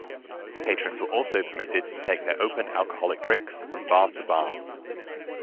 Patrons were also permitted to take their open alcoholic drinks from bar to bar.